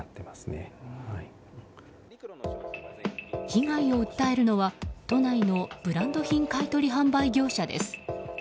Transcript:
被害を訴えるのは、都内のブランド品買い取り販売業者です。